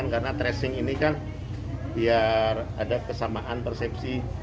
karena tracing ini kan biar ada kesamaan persepsi